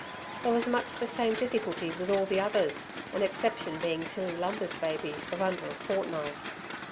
There was much the same difficulty with all the others, an exception being Tilly Lumber's baby of under a fortnight.